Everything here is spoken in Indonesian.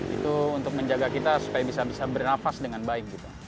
itu untuk menjaga kita supaya bisa bisa bernafas dengan baik